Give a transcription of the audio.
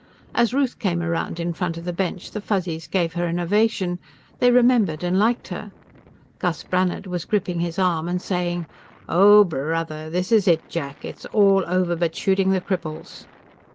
As Ruth came around in front of the bench, the Fuzzies gave her an ovation; they remembered and liked her. Gus Brannhard was gripping his arm and saying: "Oh, brother! This is it, Jack; it's all over but shooting the cripples!"